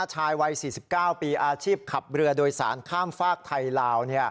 ชายวัย๔๙ปีอาชีพขับเรือโดยสารข้ามฝากไทยลาว